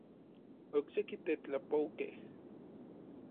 Okseki teotlapoukej.